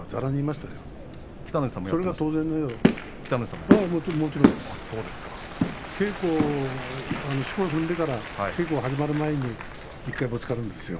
しこを踏んでから稽古を始める前に１回ぶつかるんですよ。